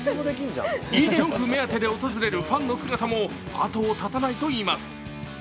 イ・ジョンフ目当てで訪れるファンの姿も後を絶たないといいます。